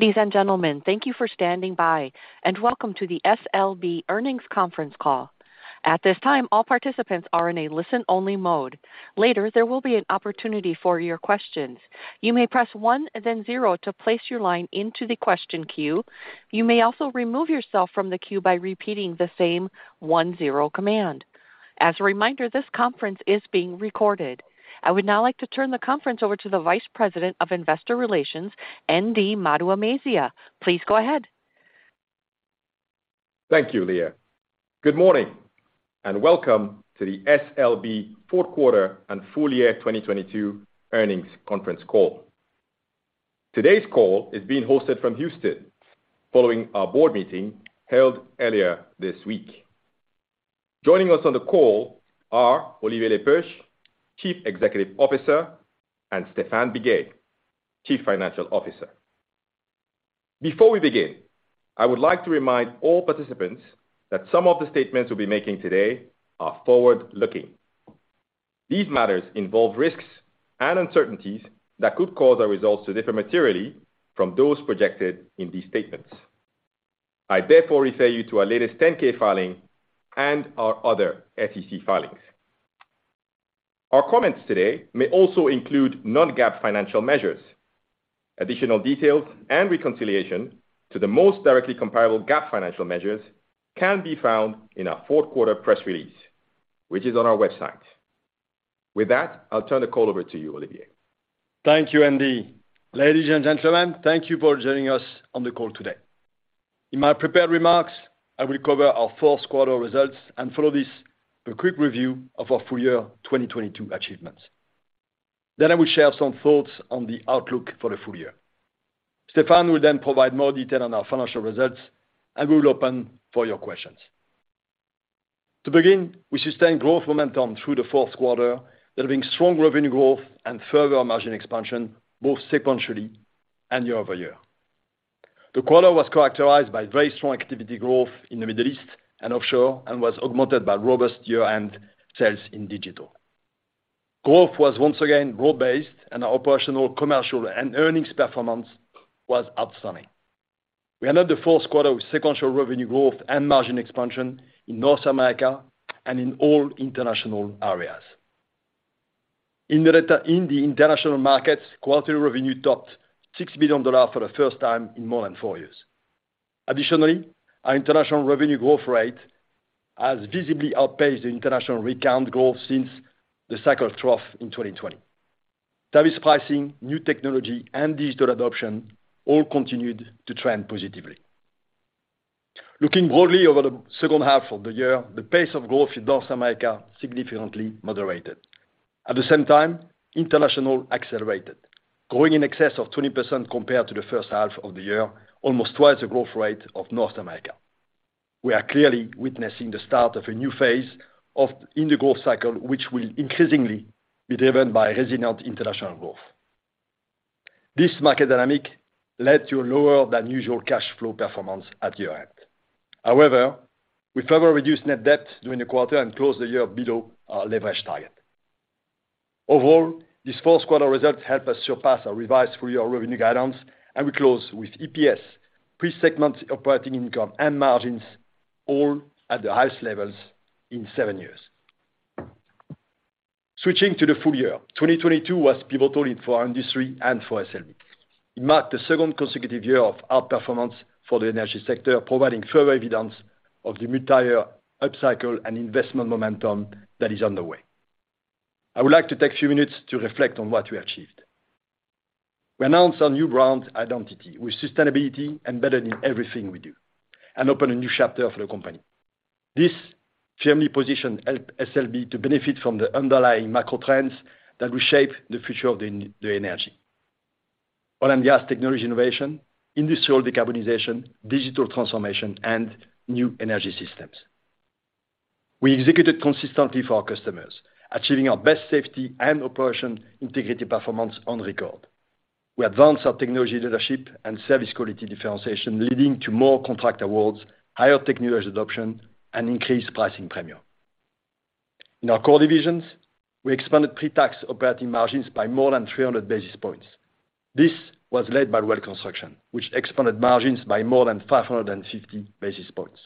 Ladies and gentlemen, thank you for standing by, and welcome to the SLB Earnings Conference Call. At this time, all participants are in a listen-only mode. Later, there will be an opportunity for your questions. You may press one then zero to place your line into the question queue. You may also remove yourself from the queue by repeating the same one-zero command. As a reminder, this conference is being recorded. I would now like to turn the conference over to the Vice President of Investor Relations, Ndubuisi Maduemezia. Please go ahead. Thank you, Leah. Good morning. Welcome to the SLB fourth quarter and full year 2022 earnings conference call. Today's call is being hosted from Houston following our board meeting held earlier this week. Joining us on the call are Olivier Le Peuch, Chief Executive Officer, and Stephane Biguet, Chief Financial Officer. Before we begin, I would like to remind all participants that some of the statements we'll be making today are forward-looking. These matters involve risks and uncertainties that could cause our results to differ materially from those projected in these statements. I therefore refer you to our latest 10-K filing and our other SEC filings. Our comments today may also include non-GAAP financial measures. Additional details and reconciliation to the most directly comparable GAAP financial measures can be found in our fourth quarter press release, which is on our website. With that, I'll turn the call over to you, Olivier. Thank you, Nd. Ladies and gentlemen, thank you for joining us on the call today. In my prepared remarks, I will cover our fourth quarter results and follow this with a quick review of our full year 2022 achievements. I will share some thoughts on the outlook for the full year. Stephane will then provide more detail on our financial results, and we will open for your questions. To begin, we sustained growth momentum through the fourth quarter, delivering strong revenue growth and further margin expansion both sequentially and year-over-year. The quarter was characterized by very strong activity growth in the Middle East and offshore and was augmented by robust year-end sales in digital. Growth was once again broad-based and our operational, commercial, and earnings performance was outstanding. We ended the fourth quarter with sequential revenue growth and margin expansion in North America and in all international areas. In the international markets, quarterly revenue topped $6 billion for the first time in more than four years. Additionally, our international revenue growth rate has visibly outpaced the international rig count growth since the cycle trough in 2020. Service pricing, new technology, and digital adoption all continued to trend positively. Looking broadly over the second half of the year, the pace of growth in North America significantly moderated. At the same time, international accelerated, growing in excess of 20% compared to the first half of the year, almost twice the growth rate of North America. We are clearly witnessing the start of a new phase in the growth cycle, which will increasingly be driven by resilient international growth. This market dynamic led to a lower than usual cash flow performance at year-end. However, we further reduced net debt during the quarter and closed the year below our leverage target. Overall, these fourth quarter results help us surpass our revised full-year revenue guidance, and we close with EPS, pre-segment operating income and margins all at the highest levels in seven years. Switching to the full year, 2022 was pivotal for our industry and for SLB. It marked the second consecutive year of outperformance for the energy sector, providing further evidence of the multi-year upcycle and investment momentum that is underway. I would like to take a few minutes to reflect on what we achieved. We announced our new brand identity with sustainability embedded in everything we do and opened a new chapter for the company. This firmly positioned SLB to benefit from the underlying macro trends that will shape the future of the energy. Oil and gas technology innovation, industrial decarbonization, digital transformation, and new energy systems. We executed consistently for our customers, achieving our best safety and operation integrity performance on record. We advanced our technology leadership and service quality differentiation, leading to more contract awards, higher technology adoption, and increased pricing premium. In our core divisions, we expanded pre-tax operating margins by more than 300 basis points. This was led by well construction, which expanded margins by more than 550 basis points.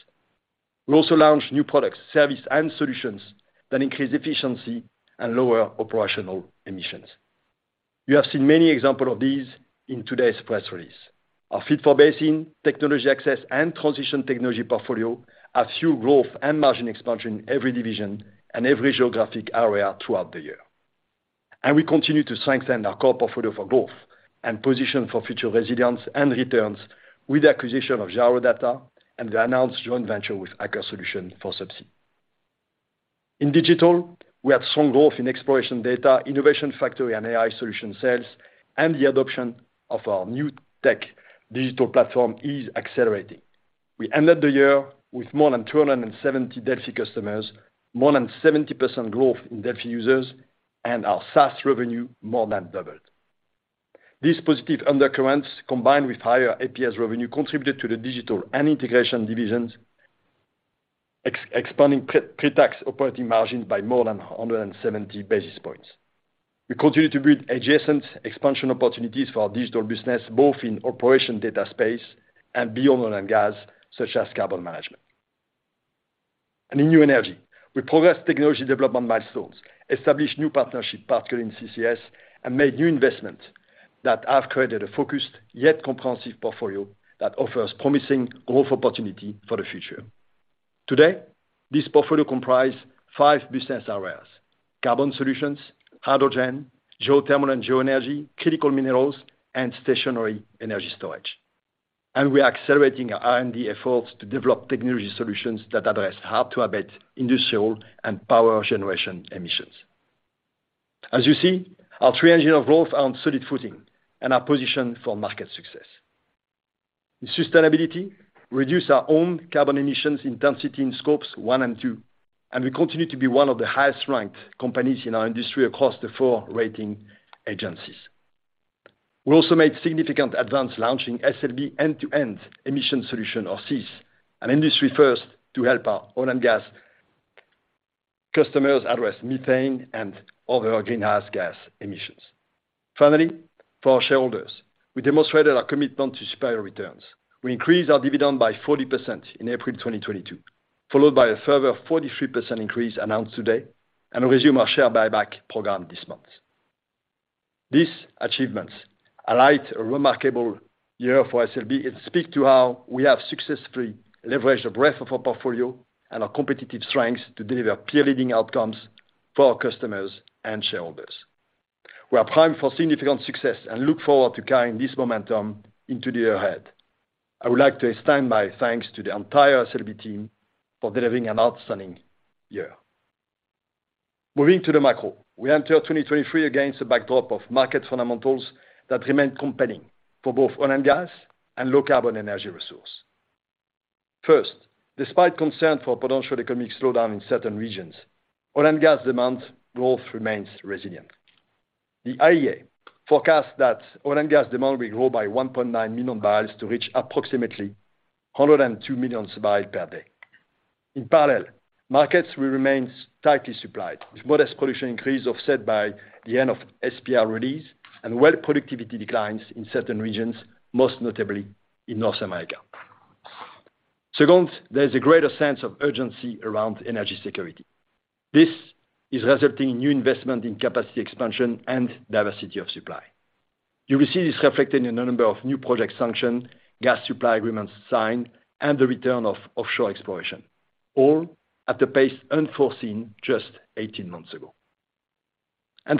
We also launched new products, services, and solutions that increase efficiency and lower operational emissions. You have seen many examples of these in today's press release. Our Fit-for-Basin, Technology Access, and transition technology portfolio have fueled growth and margin expansion in every division and every geographic area throughout the year. We continue to strengthen our core portfolio for growth and position for future resilience and returns with the acquisition of Gyrodata and the announced joint venture with Aker Solutions for Subsea. In digital, we had strong growth in exploration data, Innovation Factori, and AI solution sales. The adoption of our new tech digital platform is accelerating. We ended the year with more than 270 Delfi customers, more than 70% growth in Delfi users. Our SaaS revenue more than doubled. These positive undercurrents, combined with higher APS revenue, contributed to the digital and integration divisions expanding pre-tax operating margins by more than 170 basis points. We continue to build adjacent expansion opportunities for our digital business, both in operation data space and beyond oil and gas, such as carbon management. In new energy, we progressed technology development milestones, established new partnership, particularly in CCS, and made new investments that have created a focused yet comprehensive portfolio that offers promising growth opportunity for the future. Today, this portfolio comprise five business areas: carbon solutions, hydrogen, geothermal and geo-energy, critical minerals, and stationary energy storage. We are accelerating our R&D efforts to develop technology solutions that address how to abate industrial and power generation emissions. As you see, our three engine of growth are on solid footing, and are positioned for market success. In sustainability, reduce our own carbon emissions intensity in scopes one and two, and we continue to be one of the highest ranked companies in our industry across the four rating agencies. We also made significant advanced launching SLB End-to-end Emissions Solutions, or SEES, an industry first to help our oil and gas customers address methane and other greenhouse gas emissions. Finally, for our shareholders, we demonstrated our commitment to superior returns. We increased our dividend by 40% in April 2022, followed by a further 43% increase announced today, and we resume our share buyback program this month. These achievements highlight a remarkable year for SLB and speak to how we have successfully leveraged the breadth of our portfolio and our competitive strengths to deliver peer-leading outcomes for our customers and shareholders. We are primed for significant success and look forward to carrying this momentum into the year ahead. I would like to extend my thanks to the entire SLB team for delivering an outstanding year. Moving to the macro. We enter 2023 against a backdrop of market fundamentals that remain compelling for both oil and gas and low carbon energy resource. First, despite concern for potential economic slowdown in certain regions, oil and gas demand growth remains resilient. The IEA forecasts that oil and gas demand will grow by 1.9 million barrels to reach approximately 102 million barrels per day. In parallel, markets will remain tightly supplied, with modest production increase offset by the end of SPR release and well productivity declines in certain regions, most notably in North America. Second, there's a greater sense of urgency around energy security. This is resulting in new investment in capacity expansion and diversity of supply. You will see this reflected in a number of new project sanction, gas supply agreements signed, and the return of offshore exploration, all at a pace unforeseen just 18 months ago.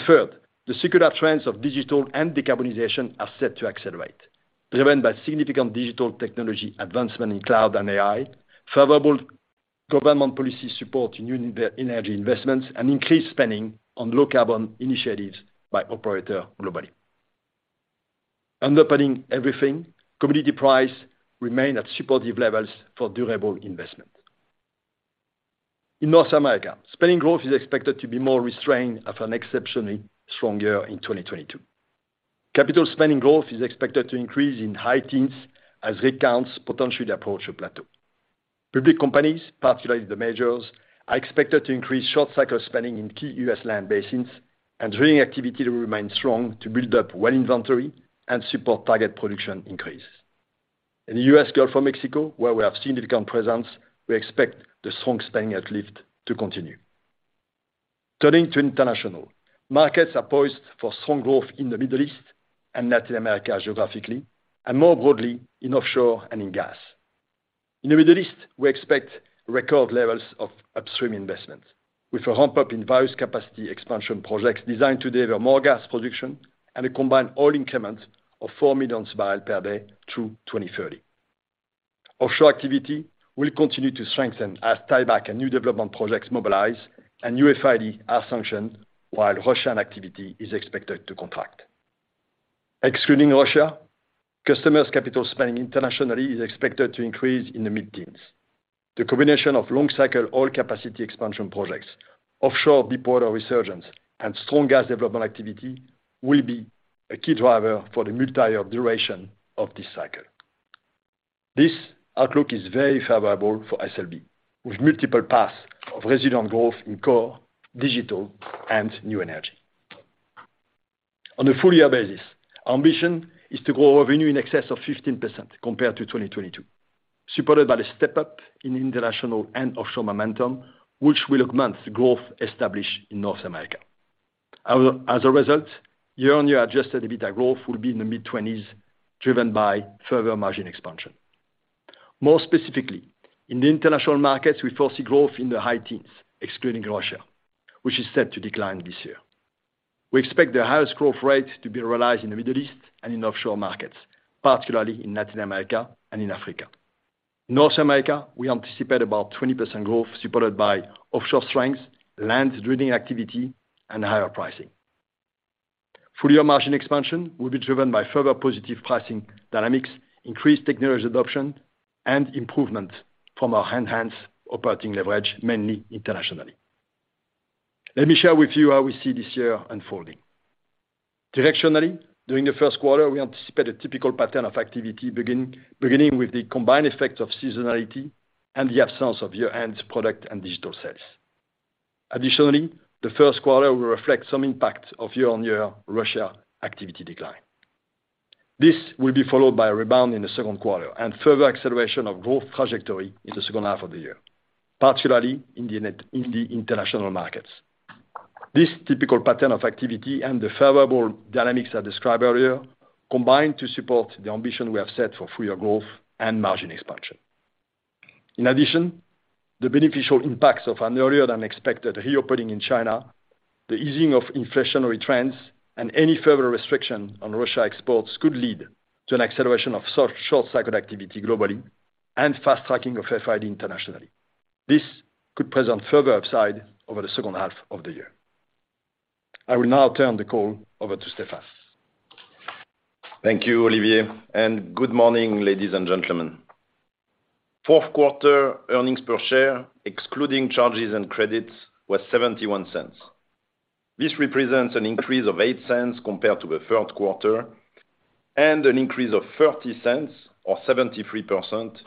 Third, the secular trends of digital and decarbonization are set to accelerate, driven by significant digital technology advancement in cloud and AI, favorable government policy support in energy investments, and increased spending on low carbon initiatives by operator globally. Underpinning everything, commodity price remain at supportive levels for durable investment. In North America, spending growth is expected to be more restrained after an exceptionally strong year in 2022. Capital spending growth is expected to increase in high teens as rig counts potentially approach a plateau. Public companies, particularly the majors, are expected to increase short cycle spending in key U.S. land basins and drilling activity to remain strong to build up well inventory and support target production increase. In the U.S. Gulf of Mexico, where we have significant presence, we expect the strong spending uplift to continue. Turning to international. Markets are poised for strong growth in the Middle East and Latin America geographically, and more broadly in offshore and in gas. In the Middle East, we expect record levels of upstream investment, with a ramp-up in various capacity expansion projects designed to deliver more gas production and a combined oil increment of 4 million barrels per day through 2030. Offshore activity will continue to strengthen as tieback and new development projects mobilize and new FID are functioned while Russian activity is expected to contract. Excluding Russia, customers' capital spending internationally is expected to increase in the mid-teens. The combination of long-cycle oil capacity expansion projects, offshore deepwater resurgence, and strong gas development activity will be a key driver for the multi-year duration of this cycle. This outlook is very favorable for SLB, with multiple paths of resident growth in core, digital, and new energy. On a full-year basis, our ambition is to grow revenue in excess of 15% compared to 2022, supported by the step up in international and offshore momentum, which will augment the growth established in North America. As a result, year-over-year adjusted EBITDA growth will be in the mid-20s, driven by further margin expansion. More specifically, in the international markets, we foresee growth in the high teens, excluding Russia, which is set to decline this year. We expect the highest growth rate to be realized in the Middle East and in offshore markets, particularly in Latin America and in Africa. North America, we anticipate about 20% growth supported by offshore strengths, land drilling activity, and higher pricing. Full year margin expansion will be driven by further positive pricing dynamics, increased technology adoption, and improvement from our enhanced operating leverage, mainly internationally. Let me share with you how we see this year unfolding. Directionally, during the first quarter, we anticipate a typical pattern of activity beginning with the combined effect of seasonality and the absence of year-end product and digital sales. Additionally, the first quarter will reflect some impact of year-on-year Russia activity decline. This will be followed by a rebound in the second quarter and further acceleration of growth trajectory in the second half of the year, particularly in the international markets. This typical pattern of activity and the favorable dynamics I described earlier, combine to support the ambition we have set for full year growth and margin expansion. The beneficial impacts of an earlier than expected reopening in China, the easing of inflationary trends, and any further restriction on Russia exports could lead to an acceleration of short cycle activity globally and fast tracking of FID internationally. This could present further upside over the second half of the year. I will now turn the call over to Stephane. Thank you, Olivier. Good morning, ladies and gentlemen. Fourth quarter earnings per share excluding charges and credits was $0.71. This represents an increase of $0.08 compared to the third quarter, and an increase of $0.30 or 73%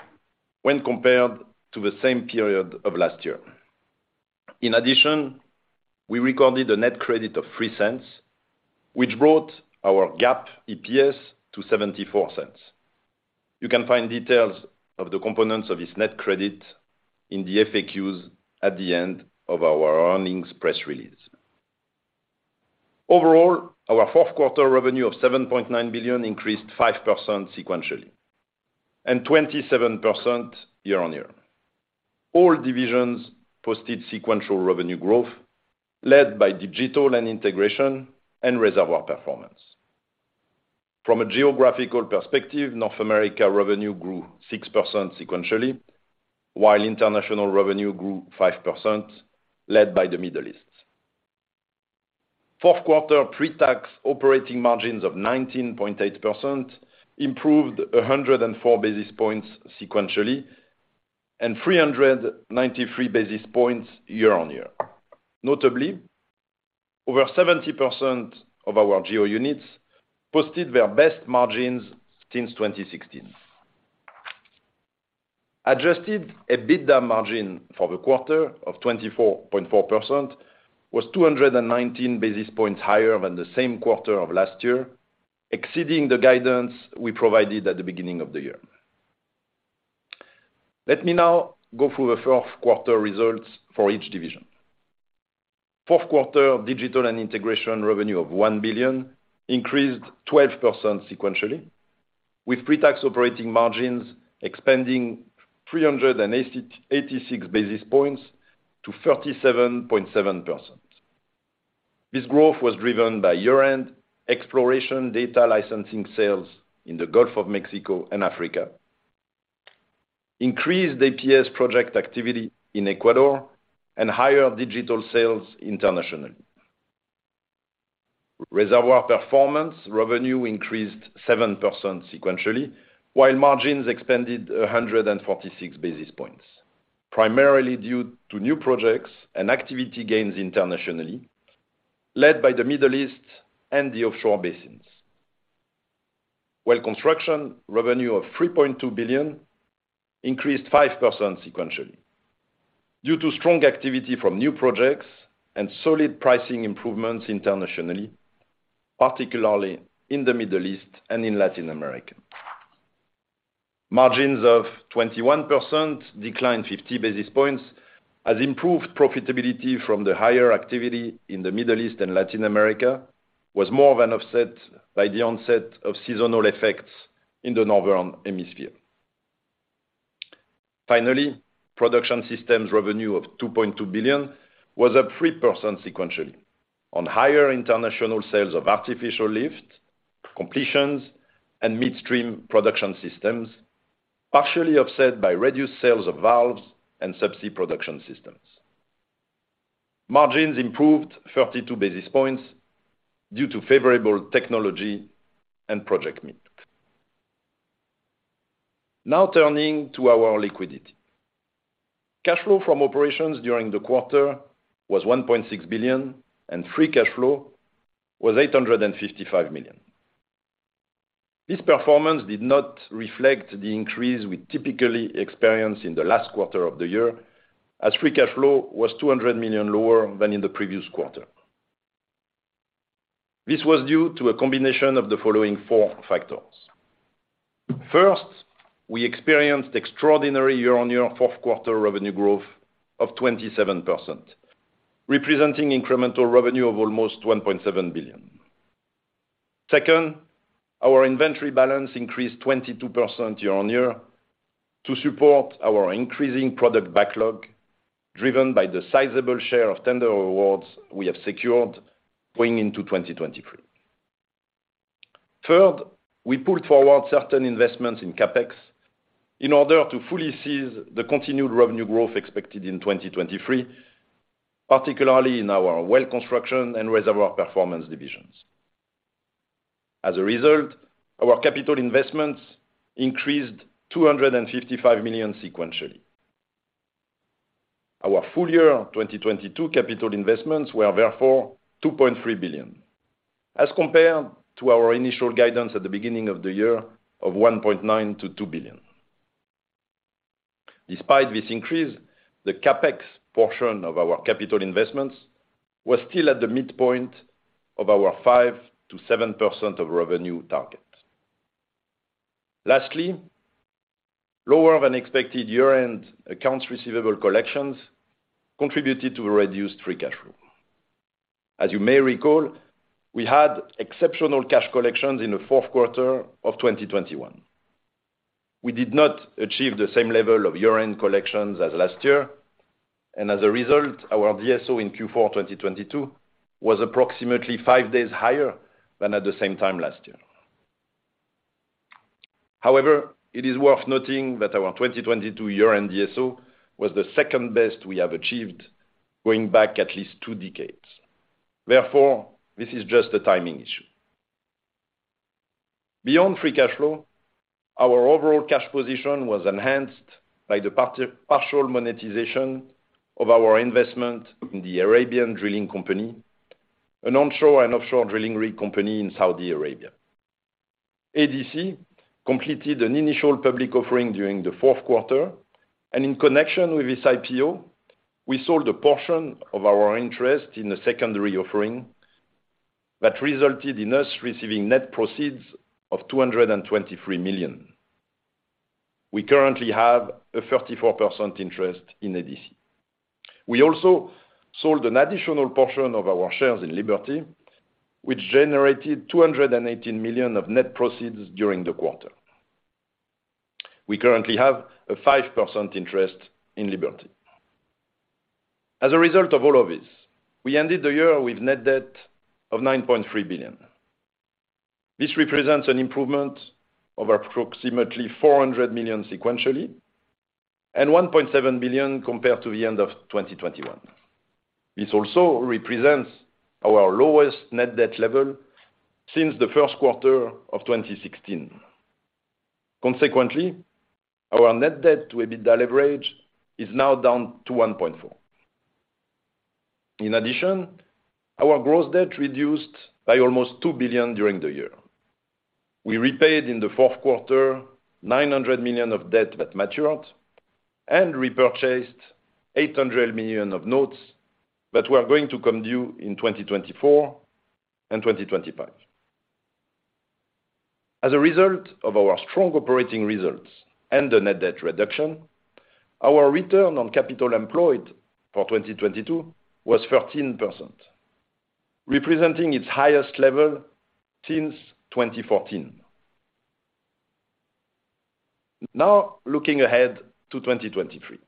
when compared to the same period of last year. In addition, we recorded a net credit of $0.03, which brought our GAAP EPS to $0.74. You can find details of the components of this net credit in the FAQs at the end of our earnings press release. Overall, our fourth quarter revenue of $7.9 billion increased 5% sequentially, and 27% year-on-year. All divisions posted sequential revenue growth led by digital and integration and reservoir performance. From a geographical perspective, North America revenue grew 6% sequentially, while international revenue grew 5%, led by the Middle East. Fourth quarter pre-tax operating margins of 19.8% improved 104 basis points sequentially, and 393 basis points year-on-year. Notably, over 70% of our geo-units posted their best margins since 2016. Adjusted EBITDA margin for the quarter of 24.4% was 219 basis points higher than the same quarter of last year, exceeding the guidance we provided at the beginning of the year. Let me now go through the fourth quarter results for each division. Fourth quarter digital and integration revenue of $1 billion increased 12% sequentially, with pre-tax operating margins expanding 386 basis points to 37.7%. This growth was driven by year-end exploration data licensing sales in the Gulf of Mexico and Africa, increased APS project activity in Ecuador, and higher digital sales internationally. Reservoir performance revenue increased 7% sequentially, while margins expanded 146 basis points, primarily due to new projects and activity gains internationally, led by the Middle East and the offshore basins. Well construction revenue of $3.2 billion increased 5% sequentially due to strong activity from new projects and solid pricing improvements internationally, particularly in the Middle East and in Latin America. Margins of 21% declined 50 basis points as improved profitability from the higher activity in the Middle East and Latin America was more than offset by the onset of seasonal effects in the Northern Hemisphere. Finally, production systems revenue of $2.2 billion was up 3% sequentially on higher international sales of artificial lift, completions, and midstream production systems, partially offset by reduced sales of valves and subsea production systems. Margins improved 32 basis points due to favorable technology and project mix. Turning to our liquidity. Cash flow from operations during the quarter was $1.6 billion, and free cash flow was $855 million. This performance did not reflect the increase we typically experience in the last quarter of the year as free cash flow was $200 million lower than in the previous quarter. This was due to a combination of the following four factors. First, we experienced extraordinary year-on-year fourth quarter revenue growth of 27%, representing incremental revenue of almost $1.7 billion. Second, our inventory balance increased 22% year-on-year to support our increasing product backlog, driven by the sizable share of tender awards we have secured going into 2023. Third, we pulled forward certain investments in CapEx in order to fully seize the continued revenue growth expected in 2023, particularly in our well construction and reservoir performance divisions. As a result, our capital investments increased $255 million sequentially. Our full year 2022 capital investments were therefore $2.3 billion, as compared to our initial guidance at the beginning of the year of $1.9 billion-$2 billion. Despite this increase, the CapEx portion of our capital investments was still at the midpoint of our 5%-7% of revenue target. Lastly, lower than expected year-end accounts receivable collections contributed to a reduced free cash flow. As you may recall, we had exceptional cash collections in the fourth quarter of 2021. We did not achieve the same level of year-end collections as last year, and as a result, our DSO in Q4 2022 was approximately five days higher than at the same time last year. However, it is worth noting that our 2022 year-end DSO was the second best we have achieved going back at least two decades. Therefore, this is just a timing issue. Beyond free cash flow, our overall cash position was enhanced by the partial monetization of our investment in the Arabian Drilling Company, an onshore and offshore drilling rig company in Saudi Arabia. ADC completed an initial public offering during the fourth quarter, and in connection with its IPO, we sold a portion of our interest in the secondary offering that resulted in us receiving net proceeds of $223 million. We currently have a 34% interest in ADC. We also sold an additional portion of our shares in Liberty, which generated $218 million of net proceeds during the quarter. We currently have a 5% interest in Liberty. As a result of all of this, we ended the year with net debt of $9.3 billion. This represents an improvement of approximately $400 million sequentially, and $1.7 billion compared to the end of 2021. This also represents our lowest net debt level since the first quarter of 2016. Consequently, our net debt to EBITDA leverage is now down to 1.4. In addition, our gross debt reduced by almost $2 billion during the year. We repaid in the fourth quarter, $900 million of debt that matured and repurchased $800 million of notes that were going to come due in 2024 and 2025. As a result of our strong operating results and the net debt reduction, our return on capital employed for 2022 was 13%, representing its highest level since 2014. Looking ahead to 2023.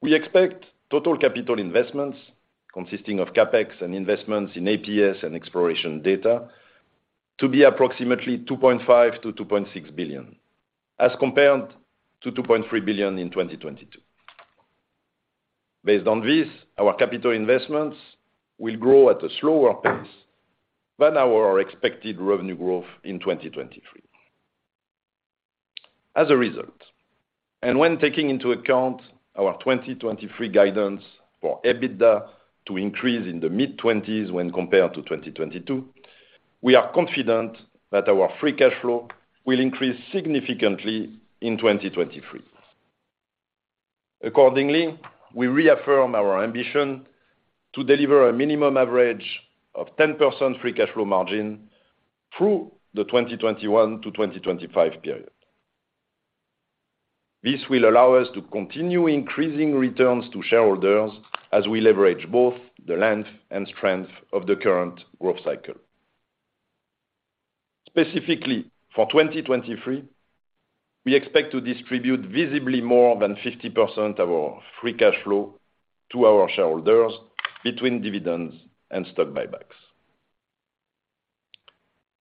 We expect total capital investments consisting of CapEx and investments in APS and exploration data to be approximately $2.5 billion-$2.6 billion, as compared to $2.3 billion in 2022. Based on this, our capital investments will grow at a slower pace than our expected revenue growth in 2023. When taking into account our 2023 guidance for EBITDA to increase in the mid-20s when compared to 2022, we are confident that our free cash flow will increase significantly in 2023. We reaffirm our ambition to deliver a minimum average of 10% free cash flow margin through the 2021-2025 period. This will allow us to continue increasing returns to shareholders as we leverage both the length and strength of the current growth cycle. Specifically, for 2023, we expect to distribute visibly more than 50% of our free cash flow to our shareholders between dividends and stock buybacks.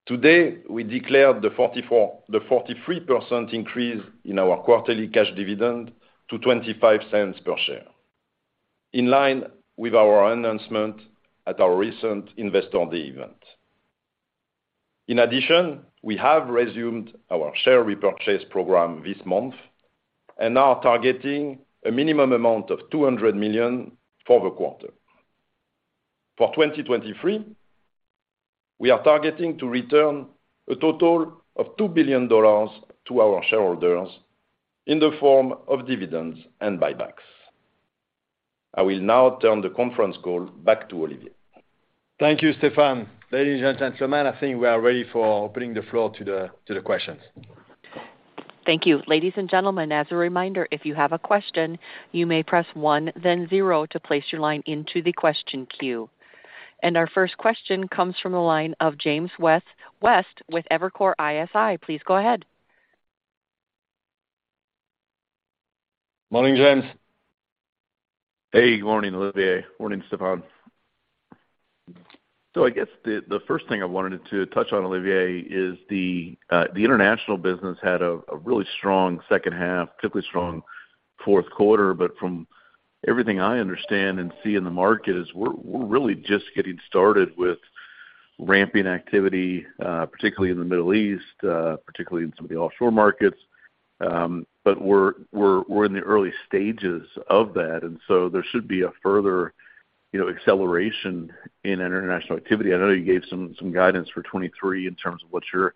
Today, we declared the 43% increase in our quarterly cash dividend to $0.25 per share, in line with our announcement at our recent Investor Day event. In addition, we have resumed our share repurchase program this month and are targeting a minimum amount of $200 million for the quarter. For 2023, we are targeting to return a total of $2 billion to our shareholders in the form of dividends and buybacks. I will now turn the conference call back to Olivier. Thank you, Stephane. Ladies and gentlemen, I think we are ready for opening the floor to the questions. Thank you. Ladies and gentlemen, as a reminder, if you have a question, you may press one then zero to place your line into the question queue. Our first question comes from the line of James West with Evercore ISI. Please go ahead. Morning, James. Hey, good morning, Olivier. Morning, Stephane. I guess the first thing I wanted to touch on, Olivier, is the international business had a really strong second half, particularly strong fourth quarter, but from everything I understand and see in the market is we're really just getting started with ramping activity, particularly in the Middle East, particularly in some of the offshore markets. We're in the early stages of that. There should be a further, you know, acceleration in international activity. I know you gave some guidance for 2023 in terms of what you're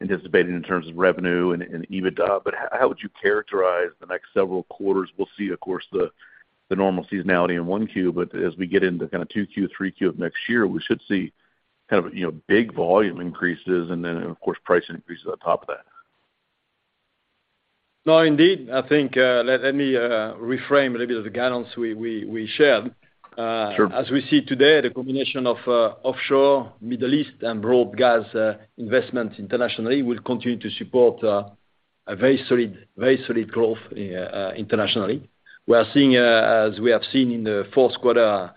anticipating in terms of revenue and EBITDA. How would you characterize the next several quarters? We'll see, of course, the normal seasonality in 1Q, but as we get into kinda 2Q, 3Q of next year, we should see kind of, you know, big volume increases and then, of course, price increases on top of that. No, indeed. I think, let me reframe a little bit of the guidance we shared. Sure. As we see today, the combination of offshore Middle East and broad gas investments internationally will continue to support a very solid growth internationally. We are seeing, as we have seen in the fourth quarter,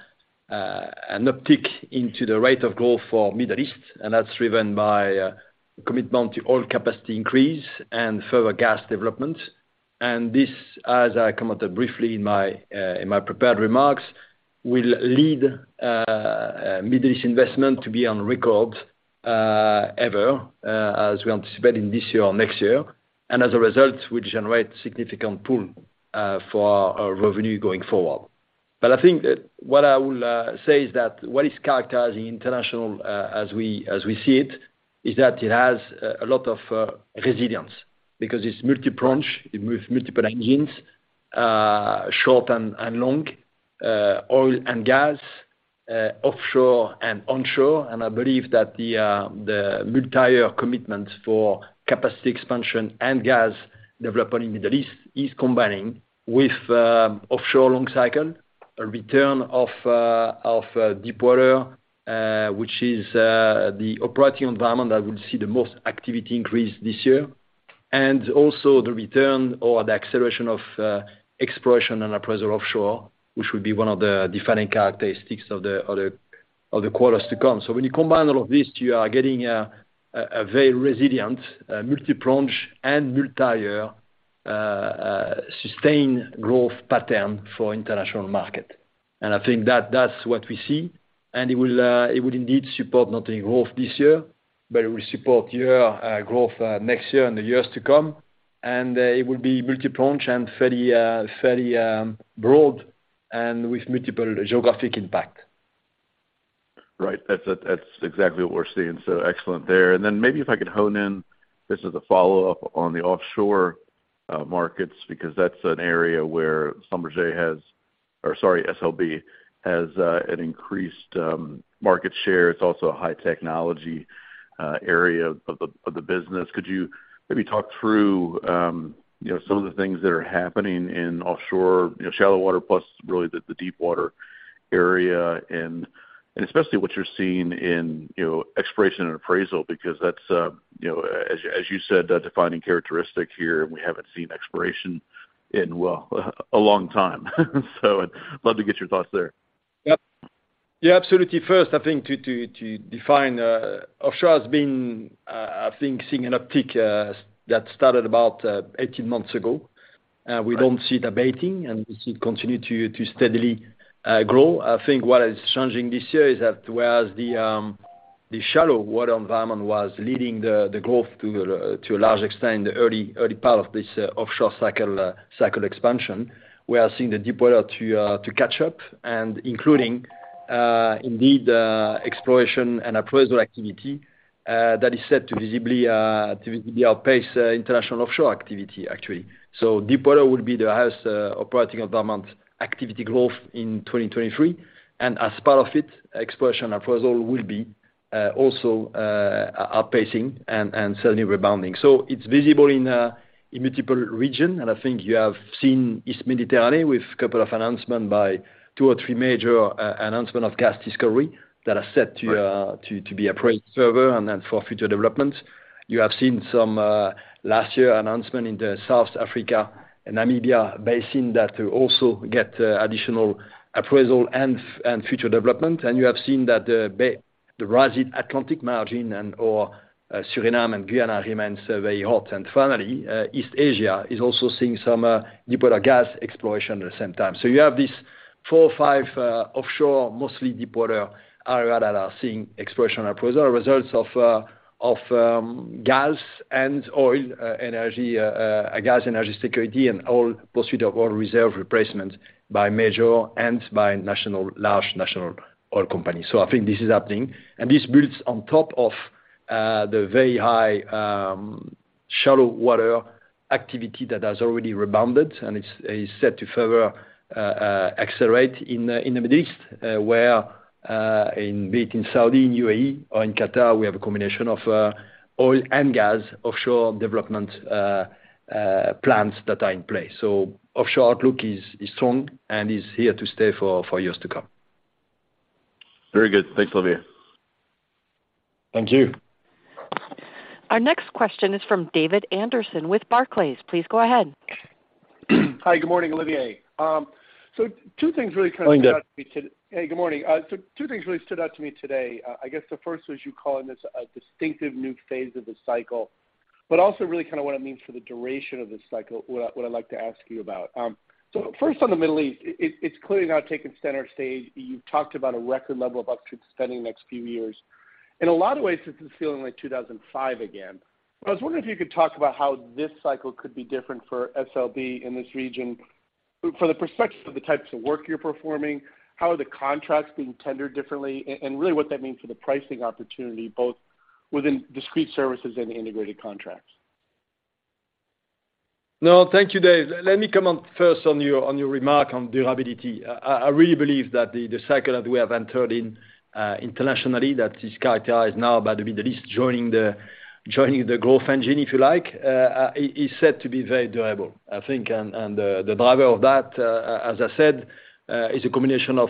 an uptick into the rate of growth for Middle East, and that's driven by commitment to oil capacity increase and further gas development. This, as I commented briefly in my prepared remarks, will lead Middle East investment to be on record ever, as we anticipate in this year or next year. As a result, will generate significant pool for our revenue going forward. I think that what I will say is that what is characterized in international, as we see it, is that it has a lot of resilience because it's multi-pronged with multiple engines, short and long, oil and gas, offshore and onshore. I believe that the multi-year commitments for capacity expansion and gas development in Middle East is combining with offshore long cycle, a return of deepwater, which is the operating environment that will see the most activity increase this year. Also the return or the acceleration of exploration and appraisal offshore, which will be one of the defining characteristics of the quarters to come. When you combine all of this, you are getting a very resilient, multi-pronged and multi-year sustained growth pattern for international market. I think that that's what we see. It will, it would indeed support not only growth this year, but it will support year growth next year and the years to come. It will be multi-pronged and very broad and with multiple geographic impact. That's, that's exactly what we're seeing. Excellent there. Maybe if I could hone in, just as a follow-up on the offshore markets, because that's an area where Schlumberger has or sorry, SLB has an increased market share. It's also a high technology area of the business. Could you maybe talk through, you know, some of the things that are happening in offshore, you know, shallow water plus really the deep water area, and especially what you're seeing in, you know, exploration and appraisal, because that's, you know, as you said, a defining characteristic here, and we haven't seen exploration in a long time. I'd love to get your thoughts there. Yep. Yeah, absolutely. First, I think to define offshore has been, I think seeing an uptick that started about 18 months ago. Right. We don't see debating, we see it continue to steadily grow. I think what is changing this year is that whereas the shallow water environment was leading the growth to a large extent in the early part of this offshore cycle expansion, we are seeing the deepwater to catch up including indeed exploration and appraisal activity that is set to visibly to outpace international offshore activity, actually. Deepwater will be the highest operating environment activity growth in 2023. As part of it, exploration appraisal will be also outpacing and certainly rebounding. It's visible in multiple region. I think you have seen East Mediterranean with couple of announcement by two or three major announcement of gas discovery. Right. To be appraised further and then for future development. You have seen some last year announcement in the South Africa and Namibia Basin that will also get additional appraisal and future development. You have seen that the Ras Sid Atlantic margin and/or Suriname and Guyana remains very hot. Finally, East Asia is also seeing some deepwater gas exploration at the same time. You have these four or five offshore, mostly deepwater area that are seeing exploration appraisal results of gas and oil energy gas energy security and oil pursuit of oil reserve replacement by major and by national, large national oil companies. I think this is happening. This builds on top of the very high shallow water activity that has already rebounded and is set to further accelerate in the Middle East, where in be it in Saudi, in UAE or in Qatar, we have a combination of oil and gas offshore development plans that are in place. Offshore outlook is strong and is here to stay for years to come. Very good. Thanks, Olivier. Thank you. Our next question is from David Anderson with Barclays. Please go ahead. Hi, good morning, Olivier. Two things really kind of stood out to me. Morning, Dave. Good morning. Two things really stood out to me today. I guess the first was you calling this a distinctive new phase of the cycle, really kind of what it means for the duration of the cycle, what I'd like to ask you about. First on the Middle East, it's clearly now taken center stage. You've talked about a record level of upstream spending the next few years. In a lot of ways, this is feeling like 2005 again. I was wondering if you could talk about how this cycle could be different for SLB in this region. For the perspective of the types of work you're performing, how are the contracts being tendered differently, and really what that means for the pricing opportunity, both within discrete services and integrated contracts. No, thank you, Dave. Let me comment first on your remark on durability. I really believe that the cycle that we have entered in internationally that is characterized now by the Middle East joining the growth engine, if you like, is set to be very durable, I think. The driver of that, as I said, is a combination of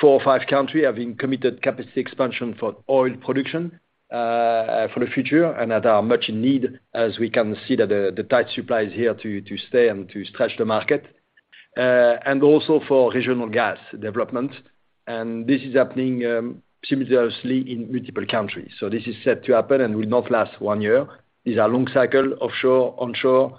four or five country having committed capacity expansion for oil production for the future and that are much in need as we can see that the tight supply is here to stay and to stretch the market. Also for regional gas development, and this is happening simultaneously in multiple countries. This is set to happen and will not last one year. These are long cycle, offshore, onshore,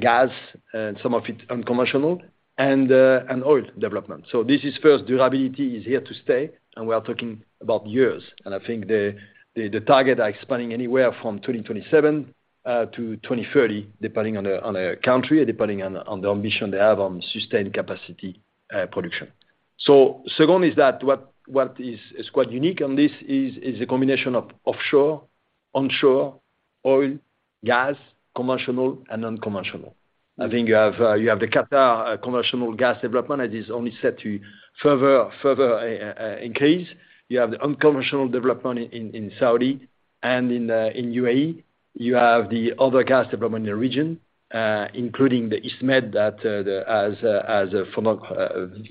gas, and some of it unconventional, and oil development. This is first, durability is here to stay, and we are talking about years. I think the target are expanding anywhere from 2027 to 2030, depending on the country, depending on the ambition they have on sustained capacity production. Second is that what is quite unique on this is a combination of offshore, onshore, oil, gas, conventional and unconventional. I think you have the Qatar conventional gas development that is only set to further increase. You have the unconventional development in Saudi. In in UAE, you have the other gas development in the region, including the East Med that has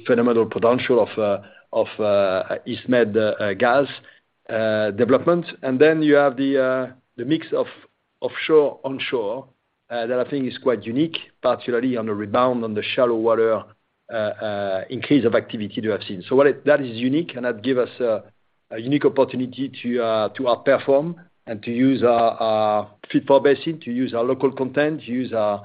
phenomenal potential of East Med gas development. Then you have the mix of offshore, onshore, that I think is quite unique, particularly on the rebound on the shallow water increase of activity that we have seen. That is unique, and that give us a unique opportunity to outperform and to use our Fit-for-Basin, to use our local content, to use our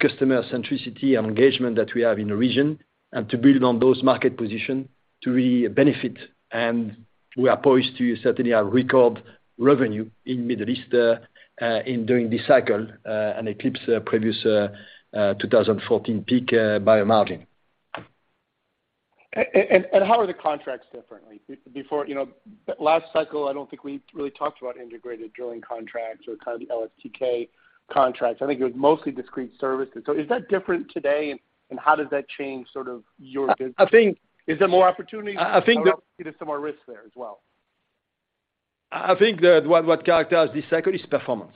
customer centricity and engagement that we have in the region, and to build on those market position to really benefit. We are poised to certainly have record revenue in Middle East during this cycle and eclipse previous 2014 peak by a margin. How are the contracts differently? Before, you know, last cycle, I don't think we really talked about integrated drilling contracts or kind of the LSTK contracts. I think it was mostly discrete services. Is that different today? How does that change sort of your business? Is there more opportunities? I think. Or there some more risks there as well? It characterizes this cycle is performance.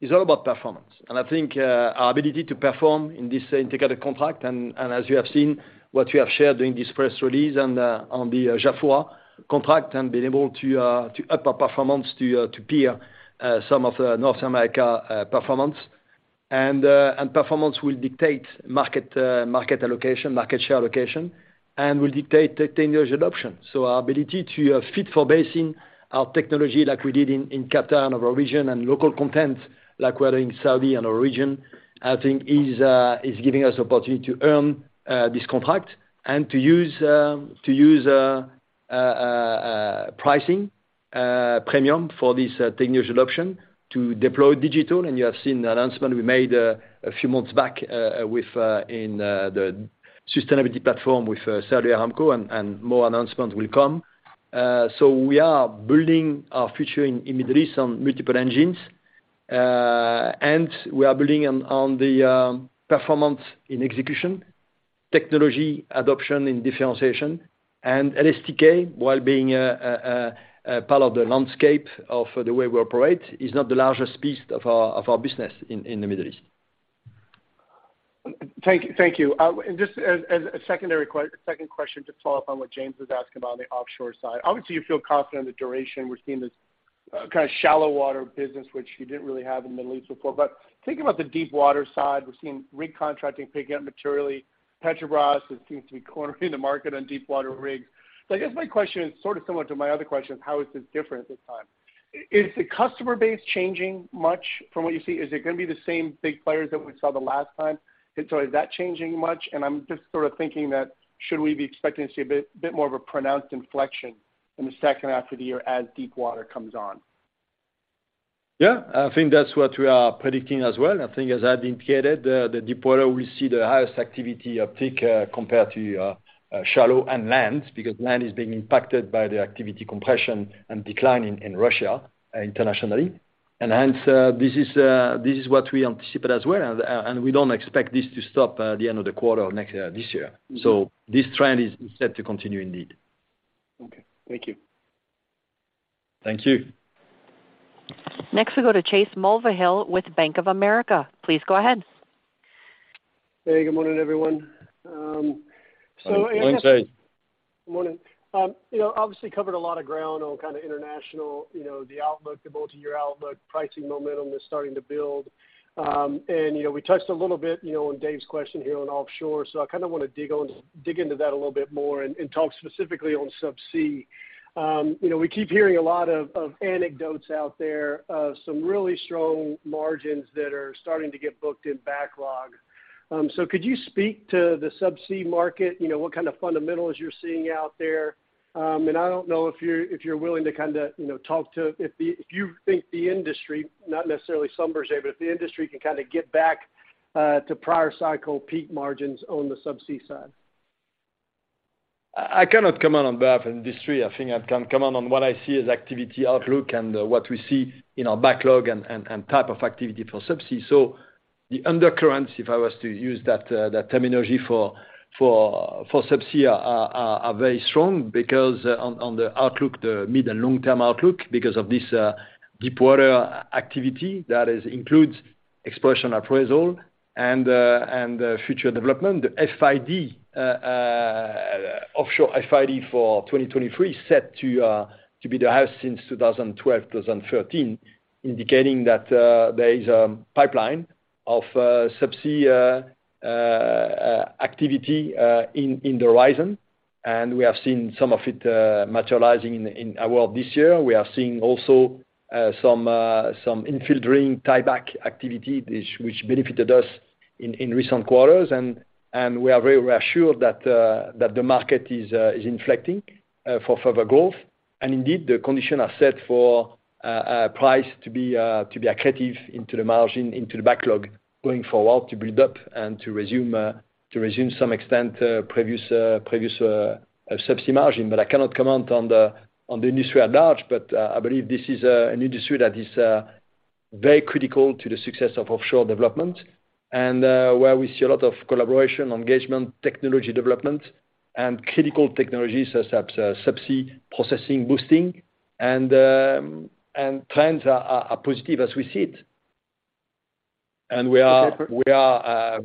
It's all about performance. I think our ability to perform in this integrated contract, as you have seen, what you have shared during this first release and on the Jafra contract and being able to up our performance to peer some of the North America performance. Performance will dictate market allocation, market share allocation, and will dictate the ten years adoption. Our ability to Fit-for-Basin our technology like we did in Qatar and other region and local content like we are doing Saudi and other region, I think is giving us opportunity to earn this contract and to use pricing premium for this technology adoption to deploy digital. You have seen the announcement we made a few months back with in the sustainability platform with Saudi Aramco and more announcements will come. We are building our future in Middle East on multiple engines. We are building on the performance in execution, technology adoption in differentiation. LSTK, while being a part of the landscape of the way we operate, is not the largest piece of our business in the Middle East. Thank you. Thank you. Just as a second question to follow up on what James was asking about on the offshore side. Obviously you feel confident in the duration. We're seeing this, kinda shallow water business which you didn't really have in the Middle East before. Thinking about the deep water side, we're seeing rig contracting pick up materially. Petrobras seems to be cornering the market on deep water rigs. I guess my question is sort of similar to my other question, how is this different this time? Is the customer base changing much from what you see? Is it gonna be the same big players that we saw the last time? Is that changing much? I'm just sort of thinking that should we be expecting to see a bit more of a pronounced inflection in the second half of the year as deep water comes on? Yeah. I think that's what we are predicting as well. I think as I indicated, the deep water will see the highest activity of peak compared to shallow and land, because land is being impacted by the activity compression and decline in Russia internationally. Hence, this is what we anticipate as well. We don't expect this to stop the end of the quarter or next year, this year. This trend is set to continue indeed. Okay. Thank you. Thank you. Next we go to Chase Mulvehill with Bank of America. Please go ahead. Hey, good morning, everyone. Morning, Chase. Morning. You know, obviously covered a lot of ground on kind of international, you know, the outlook, the multi-year outlook, pricing momentum that's starting to build. You know, we touched a little bit, you know, on David's question here on offshore. I kind of wanna dig into that a little bit more and talk specifically on subsea. You know, we keep hearing a lot of anecdotes out there of some really strong margins that are starting to get booked in backlog. Could you speak to the subsea market? You know, what kind of fundamentals you're seeing out there? I don't know if you're, if you're willing to kinda, you know, talk to if you think the industry, not necessarily Subsea 7, but if the industry can kinda get back to prior cycle peak margins on the subsea side. I cannot comment on behalf of industry. I think I can comment on what I see as activity outlook and what we see in our backlog and type of activity for subsea. The undercurrent, if I was to use that terminology for subsea, are very strong because on the outlook, the mid- and long-term outlook, because of this deepwater activity that includes exploration appraisal and future development. The FID offshore FID for 2023 is set to be the highest since 2012, 2013, indicating that there is a pipeline of subsea activity in the horizon. We have seen some of it materializing in our world this year. We are seeing also, some infill drilling tieback activity, which benefited us in recent quarters. We are very reassured that the market is inflicting for further growth. Indeed, the conditions are set for price to be accretive into the margin, into the backlog going forward, to build up and to resume some extent, previous subsea margin. I cannot comment on the industry at large, but I believe this is an industry that is very critical to the success of offshore development and where we see a lot of collaboration, engagement, technology development and critical technologies such as subsea processing boosting and trends are positive as we see it. We are-. Okay. We are,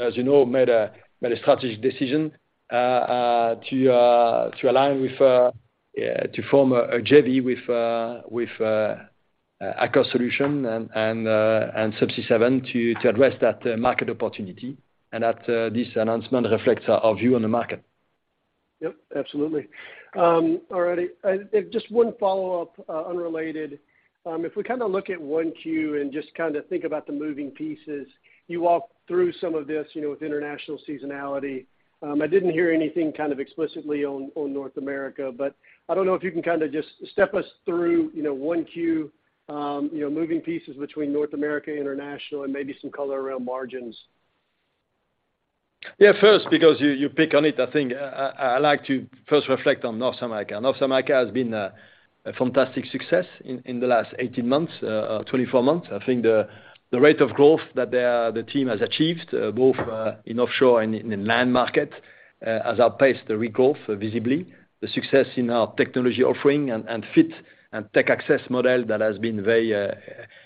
as you know, made a strategic decision, to align with, to form a JV with Aker Solutions and Subsea 7 to address that market opportunity. That, this announcement reflects our view on the market. Yep, absolutely. All righty. Just one follow-up, unrelated. If we kinda look at 1Q and just kinda think about the moving pieces, you walked through some of this, you know, with international seasonality. I didn't hear anything kind of explicitly on North America, I don't know if you can kinda just step us through, you know, 1Q, you know, moving pieces between North America, international, and maybe some color around margins. First, because you pick on it, I think I like to first reflect on North America. North America has been a fantastic success in the last 18 months, 24 months. I think the rate of growth that the team has achieved, both in offshore and in the land market, has outpaced the regrowth visibly. The success in our technology offering and fit and Technology Access model that has been very,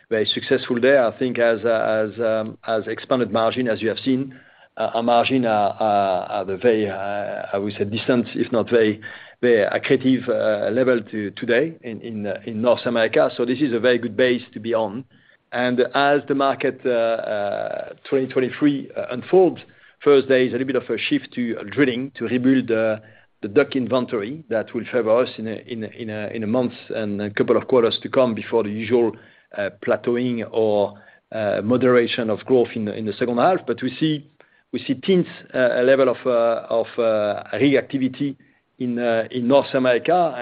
very successful there, I think has expanded margin, as you have seen. Our margin are very, I would say distant, if not very, very accretive, level today in North America. This is a very good base to be on. As the market 2023 unfolds, first, there is a little bit of a shift to drilling to rebuild the DUC inventory that will favor us in a month and a couple of quarters to come before the usual plateauing or moderation of growth in the second half. We see tint, level of reactivity in North America.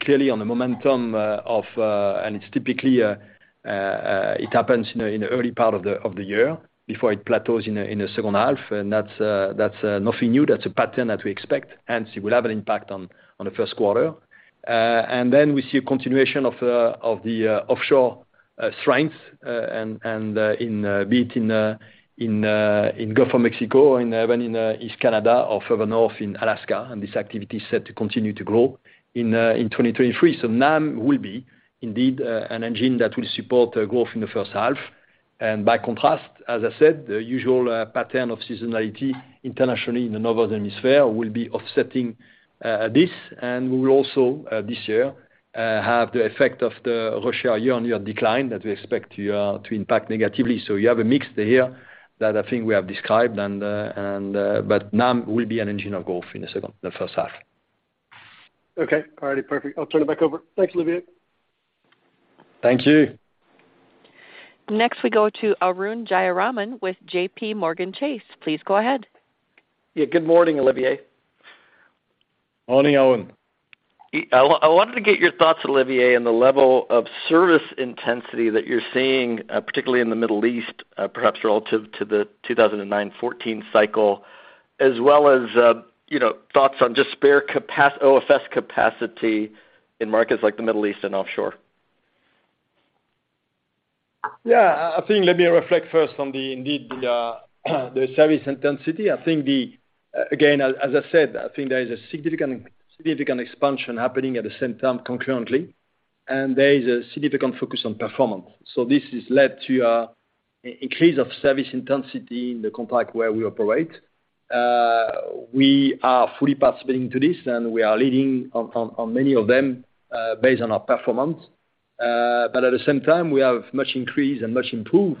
Clearly on the momentum, it typically happens in the early part of the year before it plateaus in the second half. That's nothing new. That's a pattern that we expect, hence it will have an impact on the first quarter. We see a continuation of the offshore strength and in be it in Gulf of Mexico or even in East Canada or further north in Alaska. This activity is set to continue to grow in 2023. NAM will be indeed an engine that will support growth in the first half. By contrast, as I said, the usual pattern of seasonality internationally in the Northern Hemisphere will be offsetting this. We will also this year have the effect of the Russia year-on-year decline that we expect to impact negatively. You have a mix here that I think we have described and but NAM will be an engine of growth in the first half. Okay. All righty, perfect. I'll turn it back over. Thanks, Olivier. Thank you. Next we go to Arun Jayaraman with JPMorgan Chase. Please go ahead. Yeah, good morning, Olivier. Morning, Arun. I wanted to get your thoughts, Olivier, on the level of service intensity that you're seeing, particularly in the Middle East, perhaps relative to the 2009/2014 cycle, as well as, you know, thoughts on just spare OFS capacity in markets like the Middle East and offshore. I think let me reflect first on the indeed the service intensity. Again, as I said, I think there is a significant expansion happening at the same time concurrently. There is a significant focus on performance. This has led to increase of service intensity in the compact where we operate. We are fully participating to this, and we are leading on many of them, based on our performance. But at the same time, we have much increased and much improved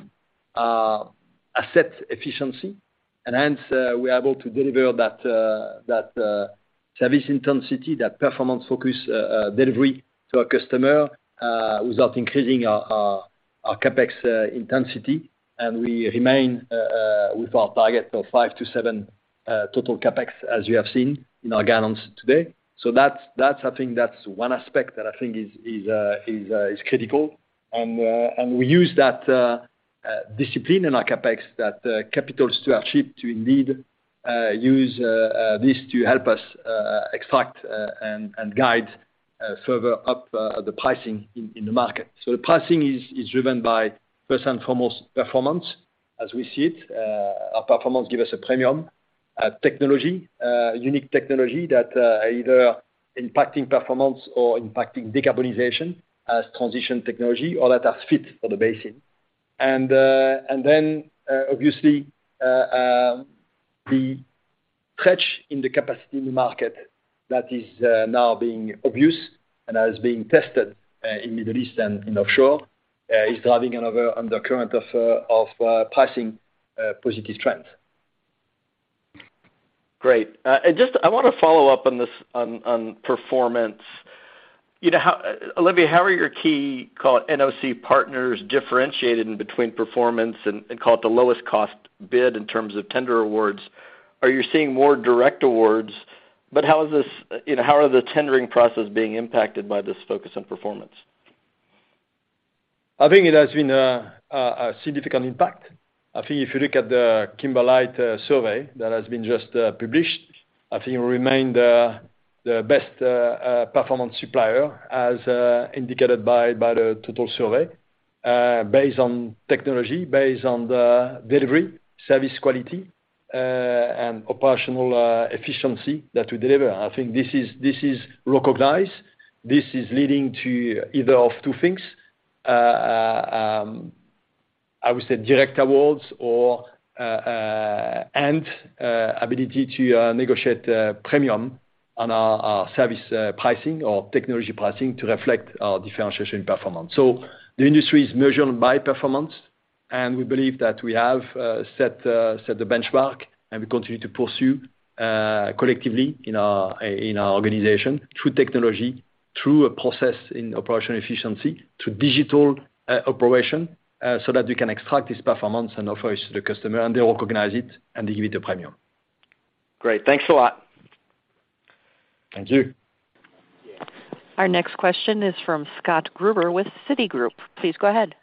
asset efficiency. Hence, we are able to deliver that that service intensity, that performance focus delivery to our customer, without increasing our CapEx intensity. We remain with our target of five to seven total CapEx, as you have seen in our guidance today. That's I think that's one aspect that I think is critical. We use that discipline in our CapEx that capitals to our ship to indeed use this to help us extract and guide further up the pricing in the market. The pricing is driven by first and foremost performance as we see it. Our performance give us a premium technology, unique technology that either impacting performance or impacting decarbonization as transition technology or that has Fit-for-Basin. Then, obviously, the stretch in the capacity in the market that is now being abused and is being tested in Middle East and in offshore is driving another undercurrent of pricing positive trend. Great. Just I wanna follow up on this on performance. You know, Olivier, how are your key call it NOC partners differentiated in between performance and call it the lowest cost bid in terms of tender awards? Are you seeing more direct awards? How is this, you know, how are the tendering process being impacted by this focus on performance? I think it has been a significant impact. I think if you look at the Kimberlite survey that has been just published, I think we remain the best performance supplier as indicated by the total survey, based on technology, based on the delivery, service quality, and operational efficiency that we deliver. I think this is recognized. This is leading to either of two things. I would say direct awards or and ability to negotiate premium on our service pricing or technology pricing to reflect our differentiation performance. The industry is measured by performance. We believe that we have set the benchmark, and we continue to pursue collectively in our organization through technology, through a process in operational efficiency, through digital operation, so that we can extract this performance and offer it to the customer, and they recognize it, and they give it a premium. Great. Thanks a lot. Thank you. Our next question is from Scott Gruber with Citigroup. Please go ahead.